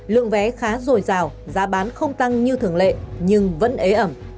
lượng vé khá dồi dào giá bán không tăng như thường lệ nhưng vẫn ế ẩm